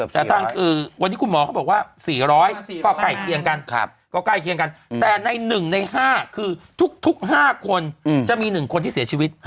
แต่ตั้งคือวันนี้คุณหมอเขาบอกว่า๔๐๐ก็ใกล้เคียงกันแต่ใน๑ใน๕คือทุก๕คนจะมี๑คนที่เสียชีวิต